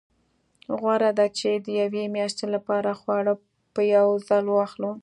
غوره ده چې د یوې میاشتې لپاره خواړه په یو ځل واخلو.